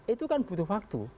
itu kan butuh waktu